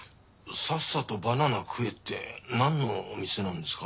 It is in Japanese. さっさとバナナ食えってなんのお店なんですか？